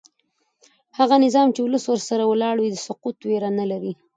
هغه نظام چې ولس ورسره ولاړ وي د سقوط ویره نه لري